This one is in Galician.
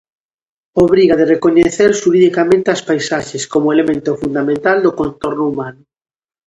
Obriga de recoñecer xuridicamente as paisaxes como elemento fundamental do contorno humano.